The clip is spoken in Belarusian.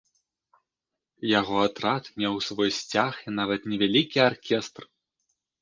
Яго атрад меў свой сцяг і нават невялікі аркестр.